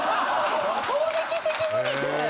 衝撃的すぎて。